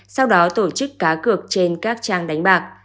sau đó tổ chức cá cược trên các trang đánh bạc